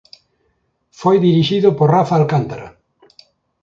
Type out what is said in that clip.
Foi dirixido por Rafa Alcantara.